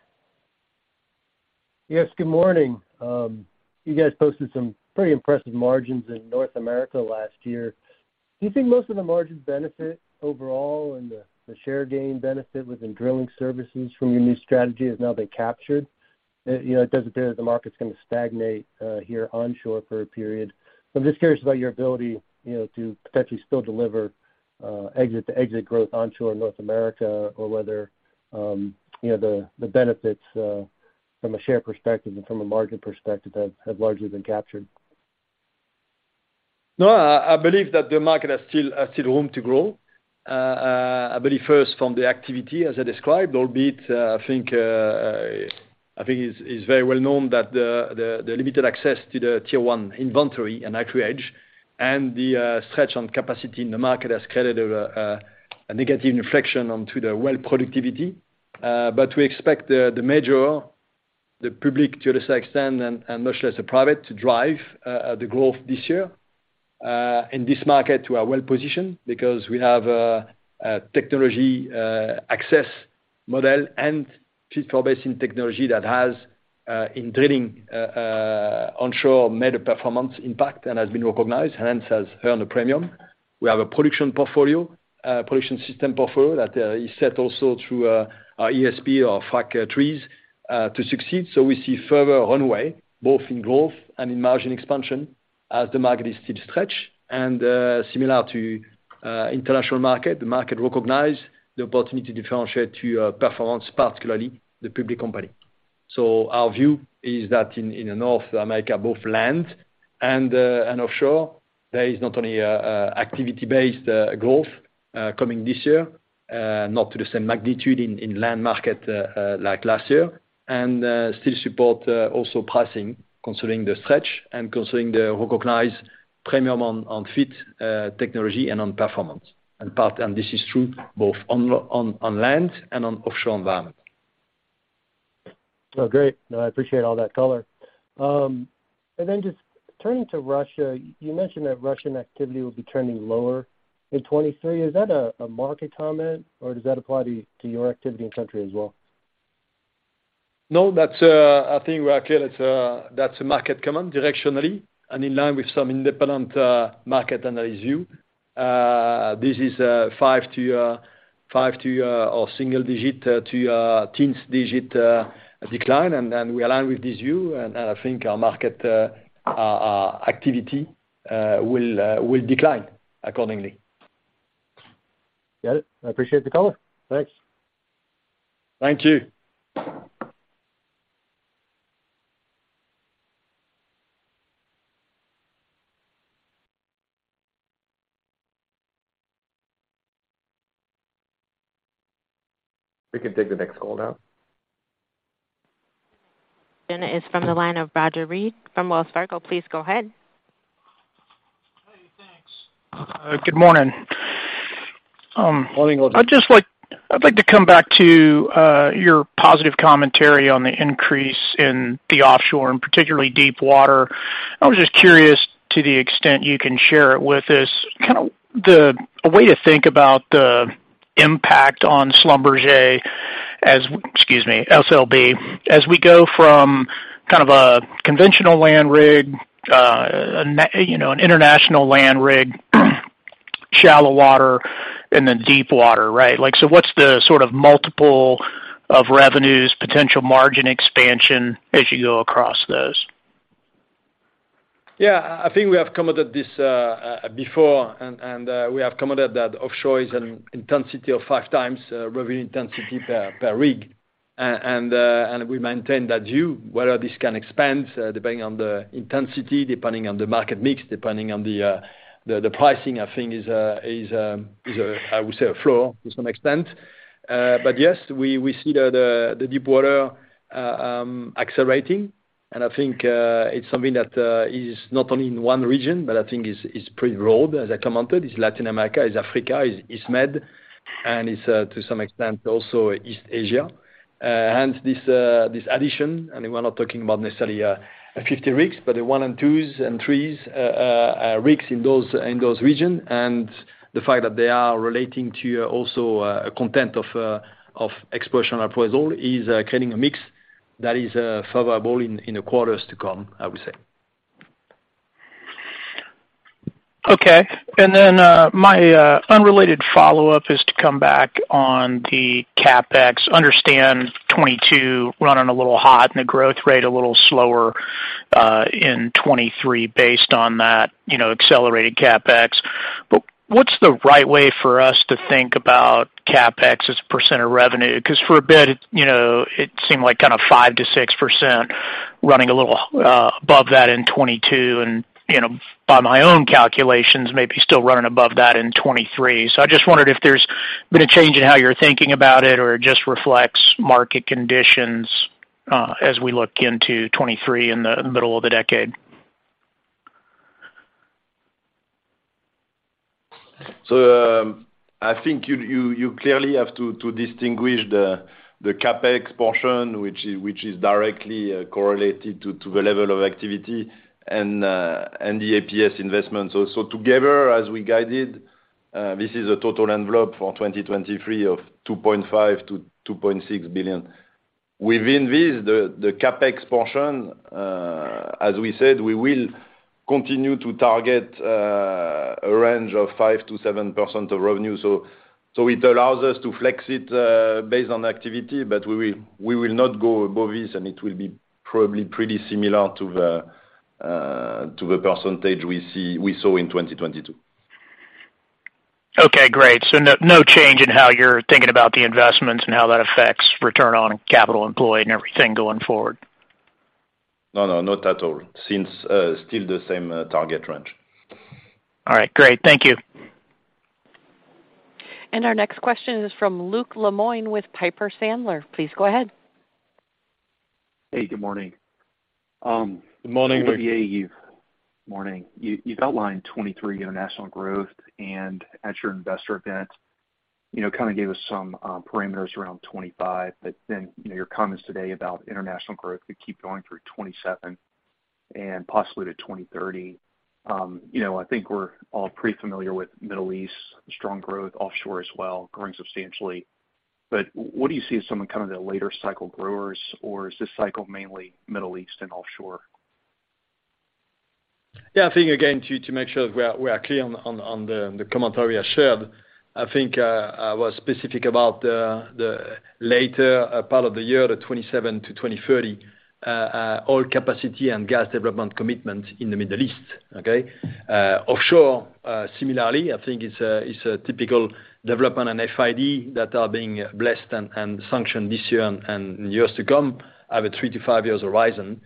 Yes, good morning. You guys posted some pretty impressive margins in North America last year. Do you think most of the margins benefit overall and the share gain benefit within drilling services from your new strategy has now been captured? you know, it doesn't appear that the market's gonna stagnate here onshore for a period. I'm just curious about your ability, you know, to potentially still deliver exit to exit growth onshore North America or whether, you know, the benefits from a share perspective and from a margin perspective have largely been captured. No, I believe that the market has still room to grow. I believe first from the activity as I described, albeit, I think, I think it's very well known that the limited access to the tier one inventory and acreage and the stretch on capacity in the market has created a negative inflection onto the well productivity. We expect the major, the public to a certain extent and much less the private to drive the growth this year. In this market, we are well positioned because we have a Technology Access model and Fit-for-Basin technology that has in drilling onshore made a performance impact and has been recognized, hence has earned a premium. We have a production portfolio, production system portfolio that is set also through our ESP or frac trees to succeed. We see further runway both in growth and in margin expansion as the market is still stretched. Similar to international market, the market recognize the opportunity to differentiate to performance, particularly the public company. Our view is that in North America, both land and offshore, there is not only a activity-based growth coming this year, not to the same magnitude in land market like last year. Still support also pricing considering the stretch and considering the recognized premium on fit technology and on performance. This is true both on land and on offshore environment. Oh, great. No, I appreciate all that color. Just turning to Russia, you mentioned that Russian activity will be turning lower in 2023. Is that a market comment, or does that apply to your activity in country as well? No. That's, I think we are clear that's a market comment directionally and in line with some independent market analyst view. This is five to or single-digit to teens-digit decline. We align with this view. I think our market activity will decline accordingly. Got it. I appreciate the color. Thanks. Thank you. We can take the next caller now. Is from the line of Roger Read from Wells Fargo. Please go ahead. Hey, thanks. Good morning. Morning, Roger. I'd like to come back to your positive commentary on the increase in the offshore and particularly deep water. I was just curious to the extent you can share it with us, a way to think about the impact on SLB as... Excuse me, SLB. As we go from kind of a conventional land rig, you know, an international land rig, shallow water and then deep water, right? Like, so what's the sort of multiple of revenues, potential margin expansion as you go across those? Yeah. I think we have commented this before, and we have commented that offshore is an intensity of five times revenue intensity per rig. We maintain that view. Whether this can expand, depending on the intensity, depending on the market mix, depending on the pricing, I think is a, I would say, a floor to some extent. Yes, we see the deep water accelerating. I think it's something that is not only in one region, but I think is pretty broad as I commented. It's Latin America, it's Africa, it's Med and it's to some extent also East Asia. Hence this addition, and we're not talking about necessarily 50 rigs, but the one and twos and threes rigs in those region. The fact that they are relating to also a content of exploration and appraisal is creating a mix that is favorable in the quarters to come, I would say. Okay. Then, my, unrelated follow-up is to come back on the CapEx. Understand 2022 running a little hot and the growth rate a little slower, in 2023 based on that, you know, accelerated CapEx. What's the right way for us to think about CapEx as a percent of revenue? Because for a bit, you know, it seemed like kinda 5%-6% running a little, above that in 2022. And, you know, by my own calculations, maybe still running above that in 2023. I just wondered if there's been a change in how you're thinking about it or it just reflects market conditions, as we look into 2023 in the middle of the decade. I think you clearly have to distinguish the CapEx portion, which is directly correlated to the level of activity and the APS investments. Together, as we guided, this is a total envelope for 2023 of $2.5 billion-$2.6 billion. Within this, the CapEx portion, as we said, we will continue to target a range of 5%-7% of revenue. It allows us to flex it based on activity, but we will not go above this, and it will be probably pretty similar to the percentage we saw in 2022. Okay, great. No change in how you're thinking about the investments and how that affects return on capital employed and everything going forward? No, no, not at all. Since, still the same, target range. All right, great. Thank you. Our next question is from Luke Lemoine with Piper Sandler. Please go ahead. Hey, good morning. Good morning. Morning. You've outlined 2023 international growth and at your investor event, you know, kinda gave us some parameters around 2025. Then, you know, your comments today about international growth could keep going through 2027 and possibly to 2030. You know, I think we're all pretty familiar with Middle East, strong growth offshore as well, growing substantially. What do you see as some of kind of the later cycle growers or is this cycle mainly Middle East and offshore? Yeah, I think again, to make sure we are clear on the commentary I shared. I think, I was specific about the later part of the year, the 2027-2030 oil capacity and gas development commitment in the Middle East. Okay? Offshore, similarly, I think it's a typical development and FID that are being blessed and sanctioned this year and years to come, have a three to five years horizon.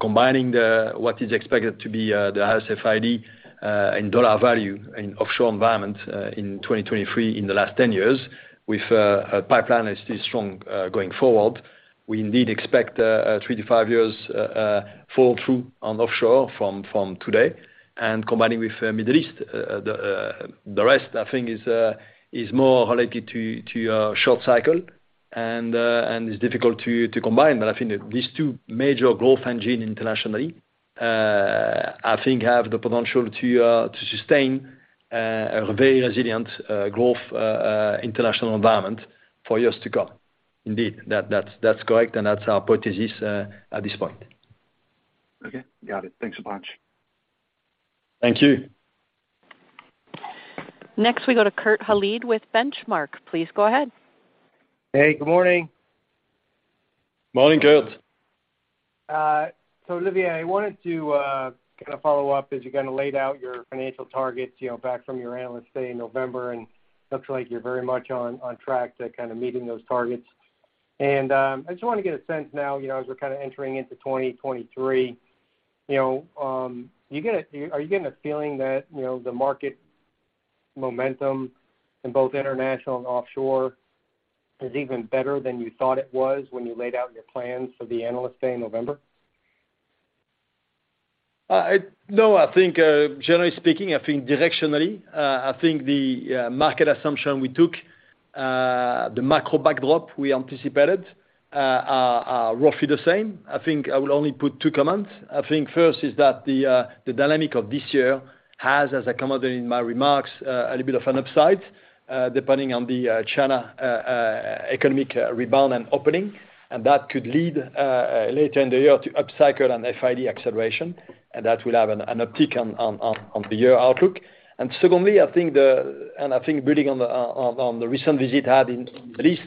Combining what is expected to be the highest FID in dollar value in offshore environment in 2023 in the last 10 years with a pipeline that's still strong going forward, we indeed expect a three to five years fall through on offshore from today. Combining with Middle East, the rest I think is more related to short cycle and it's difficult to combine. I think these two major growth engine internationally, I think have the potential to sustain a very resilient growth international environment for years to come. Indeed, that's correct, and that's our hypothesis at this point. Okay. Got it. Thanks a bunch. Thank you. Next we go to Kurt Hallead with The Benchmark Company. Please go ahead. Hey, good morning. Morning, Kurt. Olivier, I wanted to kind of follow up as you kinda laid out your financial targets, you know, back from your analyst day in November, and looks like you're very much on track to kind of meeting those targets. I just wanna get a sense now, you know, as we're kinda entering into 2023, you know, are you getting a feeling that, you know, the market momentum in both international and offshore is even better than you thought it was when you laid out your plans for the analyst day in November? No, I think generally speaking, I think directionally, I think the market assumption we took, the macro backdrop we anticipated, are roughly the same. I think I will only put two comments. I think first is that the dynamic of this year has, as I commented in my remarks, a little bit of an upside, depending on the China economic rebound and opening. That could lead later in the year to upcycle and FID acceleration, and that will have an uptick on the year outlook. Secondly, I think building on the, on the, on the recent visit I had in the Middle East,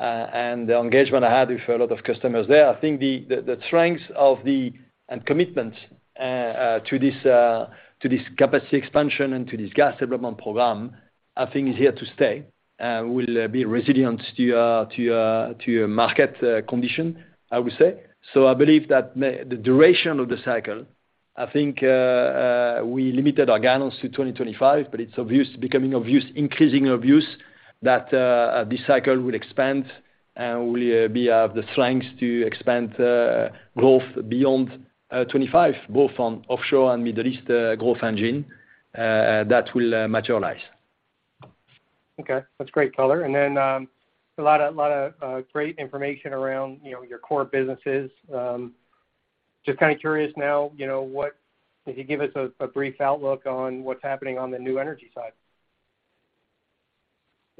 and the engagement I had with a lot of customers there, I think the, the strengths of the, and commitment, to this, to this capacity expansion and to this gas development program, I think is here to stay. Will be resilient to, to market, condition, I would say. I believe that the duration of the cycle, I think, we limited our guidance to 2025, but it's obvious, becoming obvious, increasingly obvious that, this cycle will expand and will, be of the strengths to expand, growth beyond, 25, both on offshore and Middle East, growth engine, that will materialize. Okay, that's great color. A lot of great information around, you know, your core businesses. Just kinda curious now, you know, if you give us a brief outlook on what's happening on the new energy side.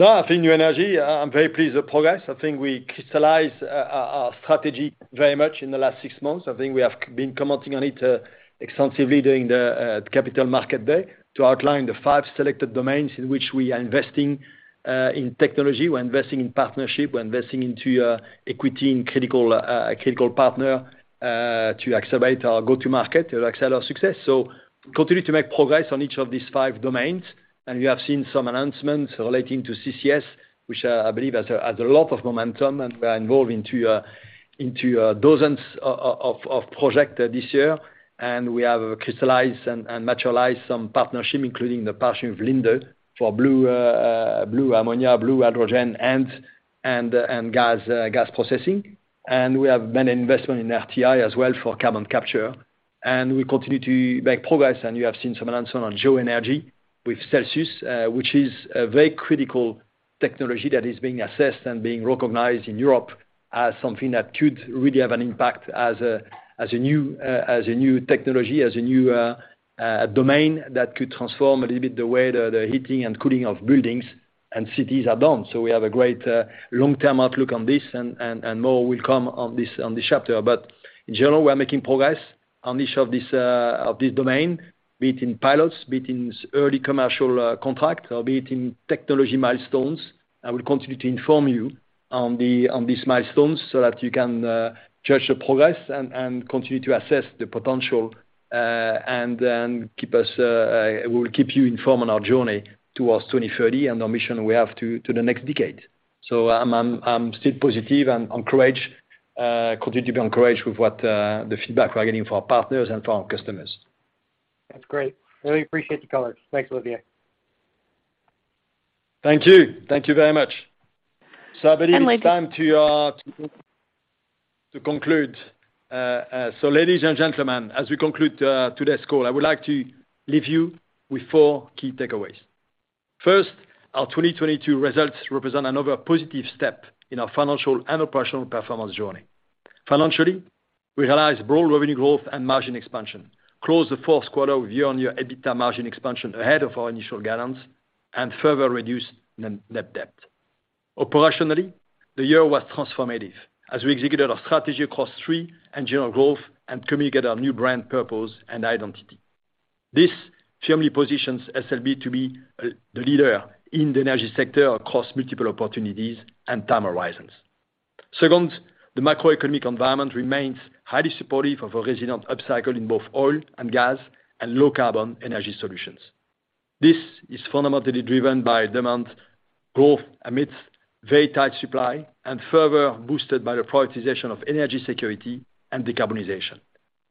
I think new energy, I'm very pleased with progress. I think we crystallize our strategy very much in the last 6 months. I think we have been commenting on it extensively during the capital market day to outline the 5 selected domains in which we are investing in technology. We're investing in partnership, we're investing into equity in critical partner to accelerate our go-to market to accelerate our success. Continue to make progress on each of these five domains. We have seen some announcements relating to CCS, which I believe has a lot of momentum, and we are involved into dozens of project this year. We have crystallized and materialized some partnership, including the partnership with Linde for blue ammonia, blue hydrogen, and gas processing. We have made an investment in RTI as well for carbon capture. We continue to make progress, and you have seen some announcement on geoenergy with Celsius, which is a very critical technology that is being assessed and being recognized in Europe as something that could really have an impact as a new technology, as a new domain that could transform a little bit the way the heating and cooling of buildings and cities are done. We have a great long-term outlook on this and more will come on this, on this chapter. In general, we're making progress on each of these domain, be it in pilots, be it in early commercial contract or be it in technology milestones. I will continue to inform you on these milestones so that you can judge the progress and continue to assess the potential, and then keep us, we'll keep you informed on our journey towards 2030 and our mission we have to the next decade. I'm still positive and encouraged, continue to be encouraged with what the feedback we're getting from our partners and from our customers. That's great. Really appreciate the color. Thanks, Olivier. Thank you. Thank you very much. I believe it's time to conclude. Ladies and gentlemen, as we conclude today's call, I would like to leave you with four key takeaways. First, our 2022 results represent another positive step in our financial and operational performance journey. Financially, we realized broad revenue growth and margin expansion, closed the fourth quarter with year-over-year EBITDA margin expansion ahead of our initial guidance and further reduced net debt. Operationally, the year was transformative as we executed our strategy across three engine of growth and communicated our new brand, purpose and identity. This firmly positions SLB to be the leader in the energy sector across multiple opportunities and time horizons. Second, the macroeconomic environment remains highly supportive of a resilient upcycle in both oil and gas and low carbon energy solutions. This is fundamentally driven by demand growth amidst very tight supply and further boosted by the prioritization of energy security and decarbonization.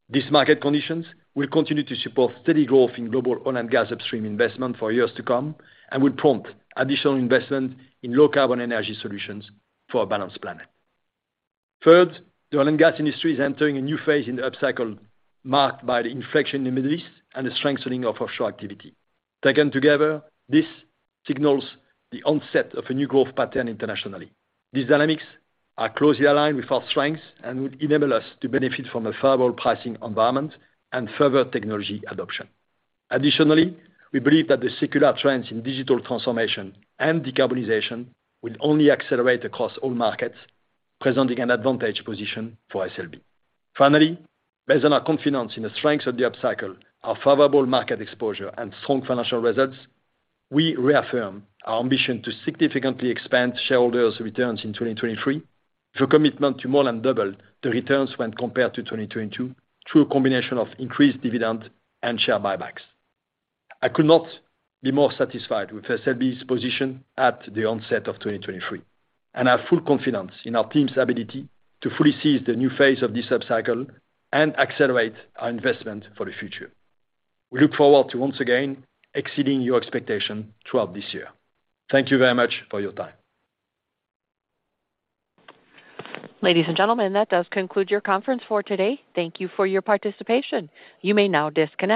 These market conditions will continue to support steady growth in global oil and gas upstream investment for years to come and will prompt additional investment in low carbon energy solutions for a balanced planet. Third, the oil and gas industry is entering a new phase in the upcycle marked by the inflection in the Middle East and the strengthening of offshore activity. Taken together, this signals the onset of a new growth pattern internationally. These dynamics are closely aligned with our strengths and would enable us to benefit from a favorable pricing environment and further technology adoption. Additionally, we believe that the secular trends in digital transformation and decarbonization will only accelerate across all markets, presenting an advantage position for SLB. Based on our confidence in the strengths of the upcycle, our favorable market exposure and strong financial results, we reaffirm our ambition to significantly expand shareholders' returns in 2023 with a commitment to more than double the returns when compared to 2022 through a combination of increased dividend and share buybacks. I could not be more satisfied with SLB's position at the onset of 2023, and I have full confidence in our team's ability to fully seize the new phase of this upcycle and accelerate our investment for the future. We look forward to once again exceeding your expectation throughout this year. Thank you very much for your time. Ladies and gentlemen, that does conclude your conference for today. Thank you for your participation. You may now disconnect.